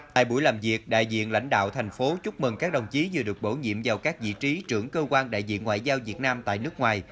tại buổi làm việc đại diện lãnh đạo thành phố chúc mừng các đồng chí vừa được bổ nhiệm vào các vị trí trưởng cơ quan đại diện ngoại giao việt nam tại nước ngoài